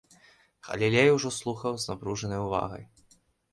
Галілей ужо слухаў з напружанай увагай.